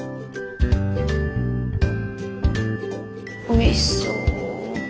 おいしそう。